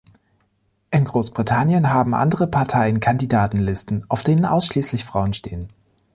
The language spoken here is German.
In Großbritannien haben andere Parteien Kandidatenlisten, auf denen ausschließlich Frauen stehen.